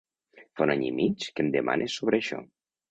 Fa un any i mig que em demanes sobre això.